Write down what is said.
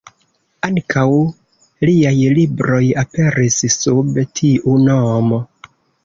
Ankaŭ liaj libroj aperis sub tiu nomo.